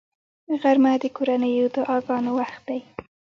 غرمه د کورنیو دعاګانو وخت دی